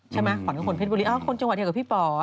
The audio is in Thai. ใช่ไหมขวัญกับคนเพชรบุรีคนจังหวัดเที่ยวกับพี่ป่อ